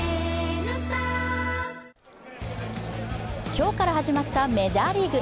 今日から始まったメジャーリーグ。